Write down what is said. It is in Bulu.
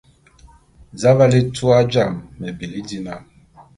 Za aval étua jame me bili dina?